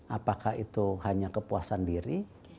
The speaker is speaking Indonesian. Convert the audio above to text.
apakah itu hanya kepuasan diri